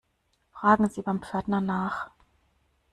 Fragen Sie beim Pförtner nach.